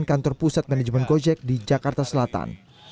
di depan kantor pusat manajemen gojek di jakarta selatan